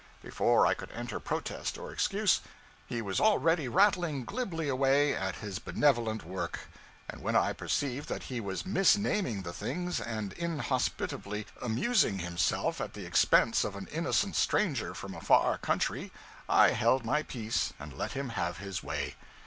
Before I could enter protest or excuse, he was already rattling glibly away at his benevolent work; and when I perceived that he was misnaming the things, and inhospitably amusing himself at the expense of an innocent stranger from a far country, I held my peace, and let him have his way.